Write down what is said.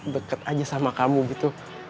deket aja sama kamu gitu